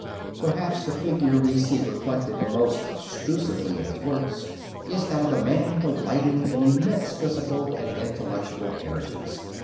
Perhaps the figure we see reflected most obtrusively in his works is that of a man delighting in immense physical and intellectual energies.